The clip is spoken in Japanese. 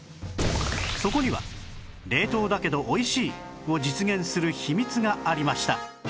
そこには「冷凍だけど美味しい」を実現する秘密がありました